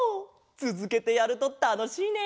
つづけてやるとたのしいね！